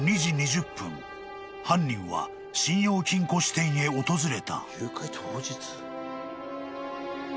［犯人は信用金庫支店へ訪れた］